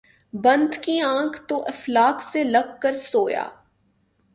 بند کی آنکھ ، تو افلاک سے لگ کر سویا